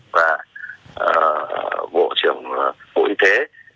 và bộ trưởng bộ y tế